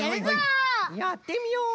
やってみよう！